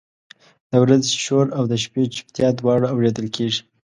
د ورځې شور او د شپې چپتیا دواړه اورېدل کېږي.